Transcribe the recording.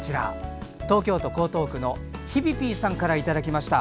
東京都江東区のひびぴぃさんからいただきました。